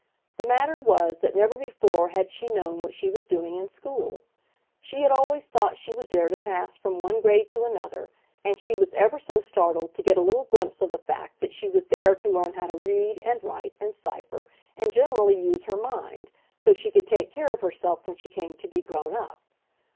The matter was that never before had she known what she was doing in school. She had always thought she was there to pass from one grade to another, and she was ever so startled to get a little glimpse of the fact that she was there to learn how to read and write and cipher and generally use her mind, so she could take care of herself when she came to be grown up.